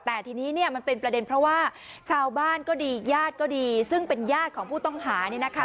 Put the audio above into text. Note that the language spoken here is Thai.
แต่ทีนี้เนี่ยมันเป็นประเด็นเพราะว่าชาวบ้านก็ดีญาติก็ดีซึ่งเป็นญาติของผู้ต้องหาเนี่ยนะคะ